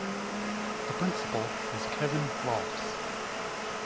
The principal is Kevin Rohlfs.